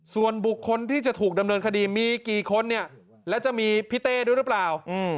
ส่วนบุคคลที่จะถูกดำเนินคดีมีกี่คนเนี่ยและจะมีพี่เต้ด้วยหรือเปล่า